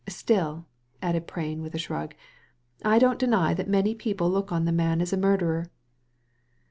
Still," added Prain with a shrug, " I don't deny that many people look on the man as a murderer."